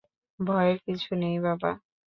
ভয়ের কিছু নেই, বাবা!